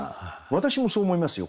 私もそう思いますよ